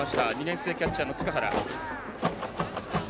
２年生キャッチャーの塚原。